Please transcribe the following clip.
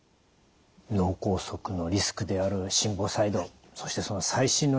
脳梗塞のリスクである心房細動そしてその最新の治療法